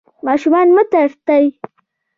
ماشومان مه ترټئ.